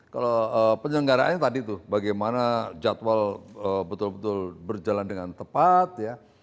kalau penyelenggaraannya tadi tuh bagaimana jadwal betul betul berjalan dengan tepat ya